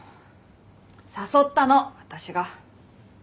誘ったの私が。